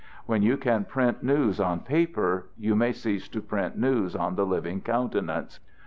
When you can print news on paper, you may cease to print news on the living countenance.